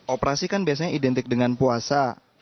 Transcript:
operasi kan biasanya identik dengan puasa